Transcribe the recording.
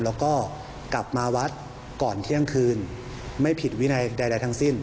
แล้วก็กลับมาวัดก่อนเที่ยงคืนไม่ผิดวินัยใดทั้งสิ้น